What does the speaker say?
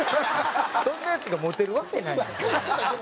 そんなヤツがモテるわけないやん。